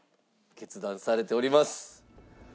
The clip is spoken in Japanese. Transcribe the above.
決断されております。